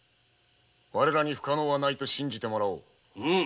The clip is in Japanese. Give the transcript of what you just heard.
我らに不可能は無いと信じてもらおう。